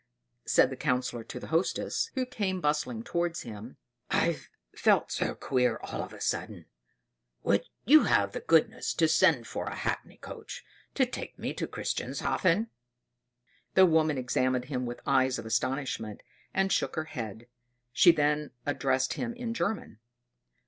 said the Councillor to the Hostess, who came bustling towards him. "I've felt so queer all of a sudden; would you have the goodness to send for a hackney coach to take me to Christianshafen?" The woman examined him with eyes of astonishment, and shook her head; she then addressed him in German.